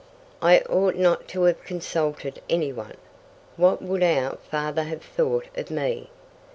"I ought not to have consulted anyone. What would our father have thought of me?"